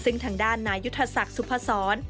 ซึ่งทางด้านนายุทธศักดิ์สุพศร